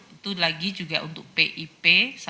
itu lagi juga untuk pip